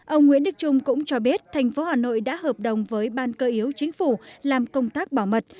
ông nguyễn đức trung cũng cho biết thành phố hà nội đã hợp đồng với ban cơ yếu chính phủ làm công tác bảo mật